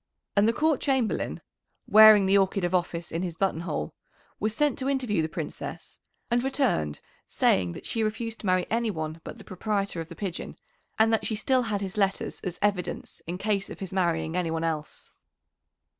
And the Court Chamberlain, wearing the orchid of office in his buttonhole, was sent to interview the Princess, and returned saying that she refused to marry any one but the proprietor of the pigeon, and that she still had his letters as evidence in case of his marrying anyone else.